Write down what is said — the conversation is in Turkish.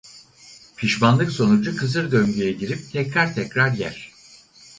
Pişmanlık sonucu kısır döngüye girip tekrar tekrar yer.